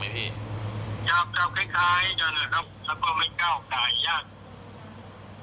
อยากก้าวคล้ายจะหรือครับถ้าผมไม่ก้าวกาลยาด